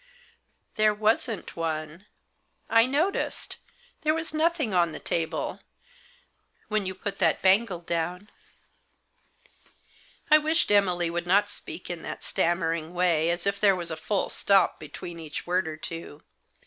" There — wasn't one — I noticed — there was nothing on the table — when you put that bangle down." Digitized by Google 72 THE JOSS. I wished Emily would not speak in that stammer ing way, as if there was a full stop between each word or two.